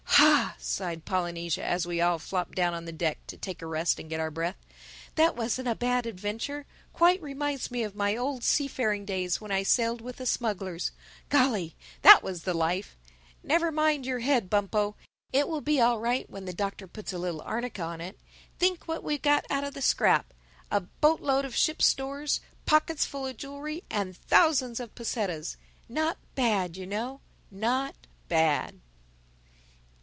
"Ha!" sighed Polynesia, as we all flopped down on the deck to take a rest and get our breath. "That wasn't a bad adventure—quite reminds me of my old seafaring days when I sailed with the smugglers—Golly, that was the life!—Never mind your head, Bumpo. It will be all right when the Doctor puts a little arnica on it. Think what we got out of the scrap: a boat load of ship's stores, pockets full of jewelry and thousands of pesetas. Not bad, you know—not bad."